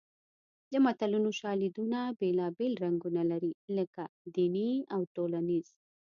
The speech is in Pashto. د متلونو شالیدونه بېلابېل رنګونه لري لکه دیني او ټولنیز